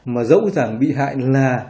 mà dẫu rằng bị hại là